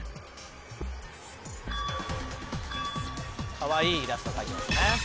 かわいいイラスト描いてますね。